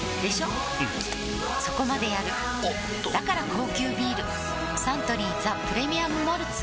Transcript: うんそこまでやるおっとだから高級ビールサントリー「ザ・プレミアム・モルツ」